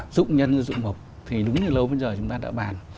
dụng nhân dụng mộc thì đúng như lâu bây giờ chúng ta đã bàn